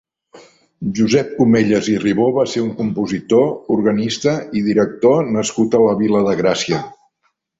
Josep Cumellas i Ribó va ser un compositor, organista i director nascut a la Vila de Gràcia.